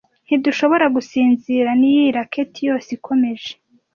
Ntidushoboragusinzira niyi racket yose ikomeje.